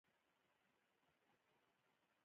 ژبپوهان په نړیواله کچه په دې نظر دي